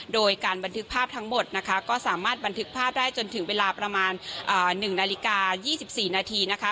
โดยการบันทึกภาพทั้งหมดนะคะก็สามารถบันทึกภาพได้จนถึงเวลาประมาณ๑นาฬิกา๒๔นาทีนะคะ